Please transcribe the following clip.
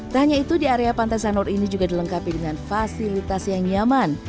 tak hanya itu di area pantai sanur ini juga dilengkapi dengan fasilitas yang nyaman